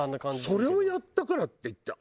それをやったからっていって